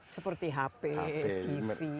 seperti hp tv dan lain sebagainya